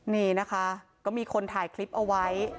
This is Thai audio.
นี่นะคะก็มีคนถ่ายคลิปเอาไว้